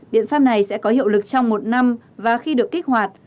biện pháp này sẽ có hiệu lực trong một năm và khi được kích hoạt